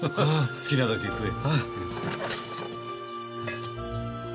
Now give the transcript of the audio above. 好きなだけ食え。